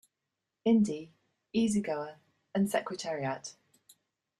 Indy, Easy Goer and Secretariat.